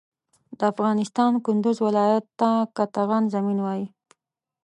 د افغانستان کندوز ولایت ته قطغن زمین وایی